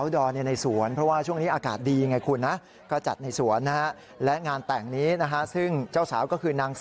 อางเทิดในสวนเพราะว่าช่วงนี้อากาศดีกันคุณ